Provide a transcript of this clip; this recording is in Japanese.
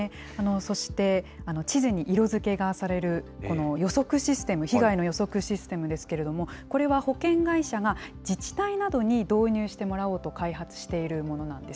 そして、地図に色づけがされるこの予測システム、被害の予測システムですけれども、これは保険会社が自治体などに導入してもらおうと開発しているものなんです。